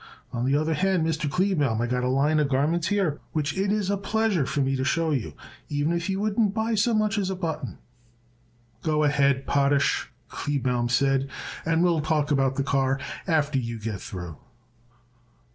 On the other hand, Mr. Kleebaum, I got a line of garments here which it is a pleasure for me to show you, even if you wouldn't buy so much as a button." "Go ahead, Potash," Kleebaum said, "and we'll talk about the car after you get through."